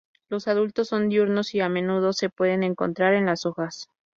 Los adultos son diurnos y a menudo se pueden encontrar en las hojas.